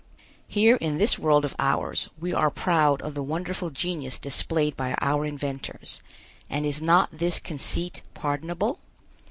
Here, in this world of ours, we are proud of the wonderful genius displayed by our inventors, and is not this conceit pardonable?